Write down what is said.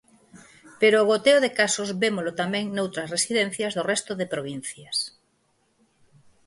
Pero o goteo de casos vémolo tamén noutras residencias do resto de provincias.